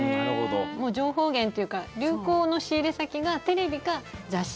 情報源というか流行の仕入れ先がテレビか雑誌。